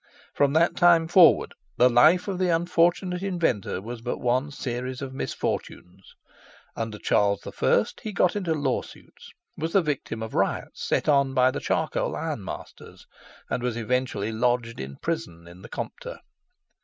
From that time forward, the life of the unfortunate inventor was but one series of misfortunes. Under Charles I. he got into law suits, was the victim of riots set on by the charcoal ironmasters, and was eventually lodged in prison in the Compter.